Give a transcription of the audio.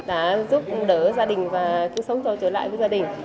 đã giúp đỡ gia đình và cứu sống trở lại với gia đình